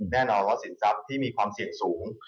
แม่นอนว่าศีลจักรที่มีความเสี่ยงสูง